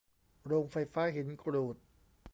โรงไฟฟ้าหินกรูด